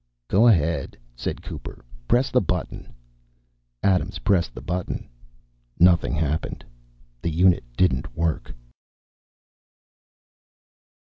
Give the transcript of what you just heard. "Go ahead," said Cooper. "Press the button." Adams pressed the button. Nothing happened. The unit didn't work.